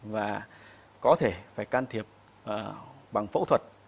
và có thể phải can thiệp bằng phẫu thuật